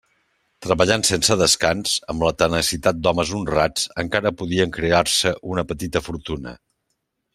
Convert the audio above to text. Treballant sense descans, amb la tenacitat d'homes honrats, encara podien crear-se una petita fortuna.